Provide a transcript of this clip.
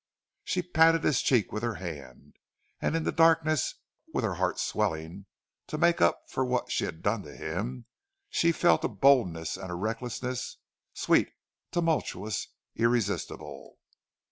She patted his cheek with her hand, and in the darkness, with her heart swelling to make up for what she had done to him, she felt a boldness and a recklessness, sweet, tumultuous, irresistible.